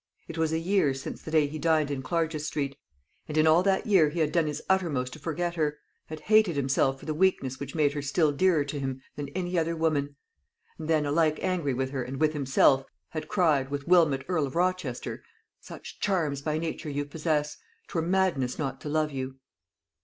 It was a year since the day he dined in Clarges street; and in all that year he had done his uttermost to forget her, had hated himself for the weakness which made her still dearer to him than any other woman; and then, alike angry with her and with himself, had cried, with Wilmot Earl of Rochester, "Such charms by nature you possess, 'Twere madness not to love you."